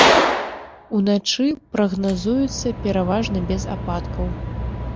Уначы прагназуецца пераважна без ападкаў.